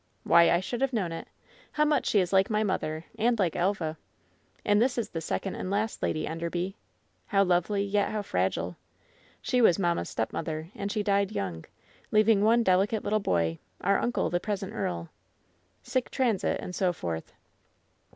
Why, I should have known it. How much she is like my mother, and like Elva. And this is the second and last Lady Enderby ? How lovely, yet how fragile. She was mamma's stepmother, and she died young, leaving one delicate little boy, our imcle, the present earl. Sic tratk' sit, and so forth."